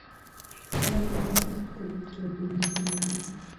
انار د افغانستان په طبیعت کې یو ډېر مهم رول لري.